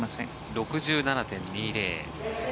６７．２０。